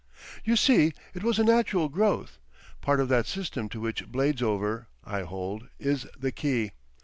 You see it was a natural growth, part of that system to which Bladesover, I hold, is the key.